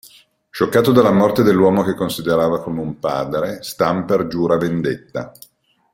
Scioccato dalla morte dell'uomo che considerava come un padre, Stamper giura vendetta.